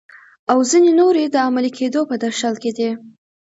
او ځینې نورې د عملي کیدو په درشل کې دي.